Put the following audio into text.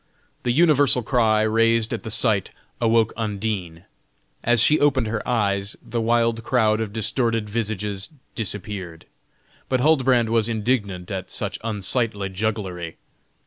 The universal cry raised at the sight awoke Undine. As she opened her eyes, the wild crowd of distorted visages disappeared. But Huldbrand was indignant at such unsightly jugglery.